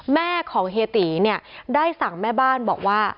แม่ของเฮียตีเนี่ยได้สั่งแม่บ้านบอกว่า